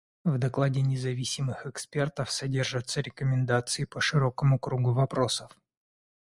В докладе независимых экспертов содержатся рекомендации по широкому кругу вопросов.